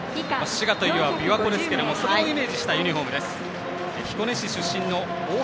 滋賀といえば琵琶湖ですがそれをイメージしたユニフォームです。